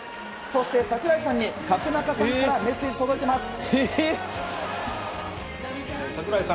そして、櫻井さんに角中選手からメッセージが届いています。